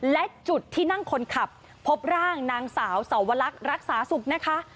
และจุดที่นั่งคนขับพบร่างนางสาวสวรรครักษาสุขนะคะ